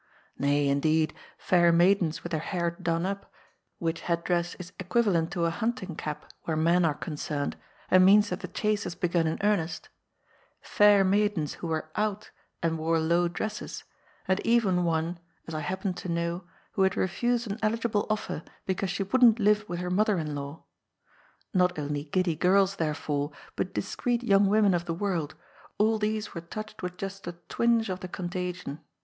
Nay, indeed, fair maidens with their hair ^ done up "— which head dress is equivalent to a hunt ing cap where men are concerned, and means that the chase has begun in earnest — ^f air maidens who were out " and wore low dresses, and even one (as I happen to know) who had refused an eligible offer because she wouldn't live with her mother in law — ^not only giddy girls, therefore, but dis creet young women of the world, all these were touched with just a twinge of the contagion.